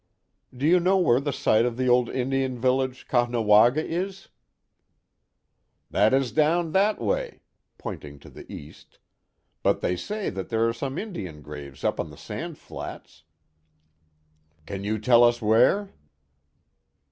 Do you know where the site of the old Indian vil lage, Caughnawaga, is ?"*' That is down that way," pointing to the east, " but they say that there are some Indian graves up on the sand flats. " Can you tell us where